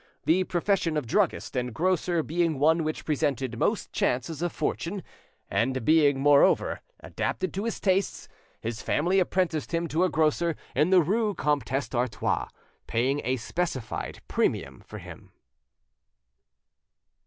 The profession of druggist and grocer being one which presented most chances of fortune, and being, moreover, adapted to his tastes, his family apprenticed him to a grocer in the rue Comtesse d'Artois, paying a specified premium for him.